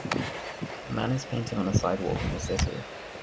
A man is painting on a sidewalk in the city.